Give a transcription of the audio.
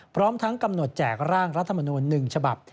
พร้อมทั้งกำหนดแจกร่างรัฐมนูล๑ฉบับ